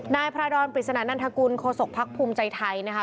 นายพระดอนปริศนานันทกุลโคศกภักดิ์ภูมิใจไทยนะคะ